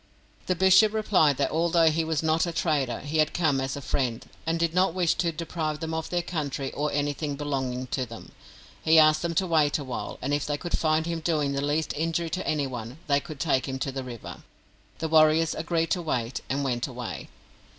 The bishop replied that, although he was not a trader, he had come as a friend, and did not wish to deprive them of their country or anything belonging to them. He asked them to wait a while, and if they could find him doing the least injury to anyone they could take him to the river. The warriors agreed to wait, and went away.